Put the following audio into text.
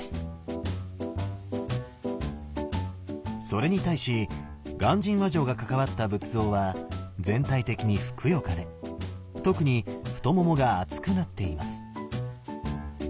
それに対し鑑真和上が関わった仏像は全体的にふくよかで特に太ももが厚くなっています。